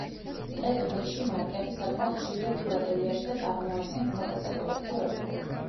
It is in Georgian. ტეტ-ბეში მარკები საკმაოდ ხშირია ფილატელიაში და წარმოადგენს ცალკე საკოლექციო ერთეულს.